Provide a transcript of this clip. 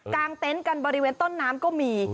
กลางเต้นกันบริเวณต้นน้ำก็มี